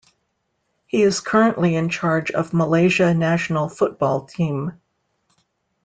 He is currently in charge of Malaysia national football team.